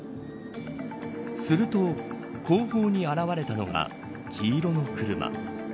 すると後方に現れたのが黄色の車。